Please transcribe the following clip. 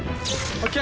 ＯＫ。